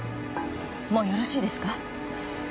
もうよろしいですか？